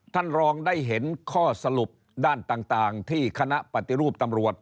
ท่านรองได้เห็นข้อสรุปด้านต่างที่คณะปฏิรูปตำรวจ